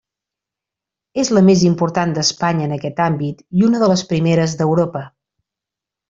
És la més important d'Espanya en aquest àmbit i una de les primeres d'Europa.